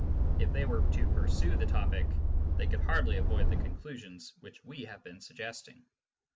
If they were to pursue the topic, they could hardly avoid the conclusions which we have been suggesting.